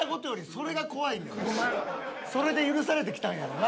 それで許されてきたんやろな。